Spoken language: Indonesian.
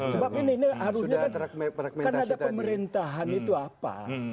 karena ini harusnya kan kan ada pemerintahan itu apa